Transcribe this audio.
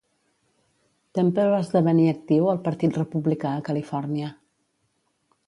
Temple va esdevenir actiu al partit republicà a Califòrnia.